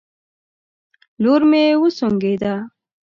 لور مې وسونګېده